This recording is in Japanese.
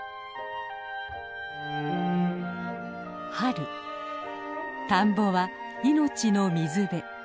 春田んぼは命の水辺。